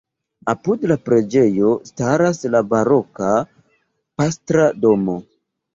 Apud la preĝejo staras la baroka pastra domo.